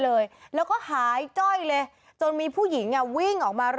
เดี๋ยวหลับผมจะชวนคุณเข้าห้องน้ำชาย